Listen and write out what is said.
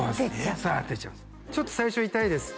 ちょっと最初痛いです